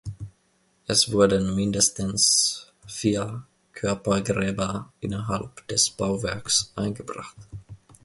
Es wurden mindestens vier Körpergräber innerhalb des Bauwerks eingebracht.